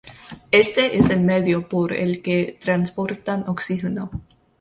Éste es el medio por el que transportan oxígeno.